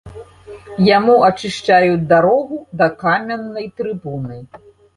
Яму ачышчаюць дарогу да каменнай трыбуны.